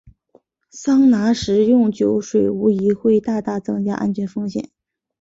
桑拿时食用酒水无疑会大大增加安全风险。